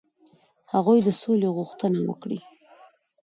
هغوی د سولي غوښتنه وکړي.